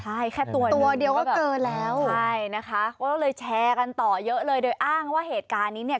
ใช่แค่ตัวหนึ่งใช่นะคะก็เลยแชร์กันต่อเยอะเลยโดยอ้างว่าเหตุการณ์นี้เนี่ย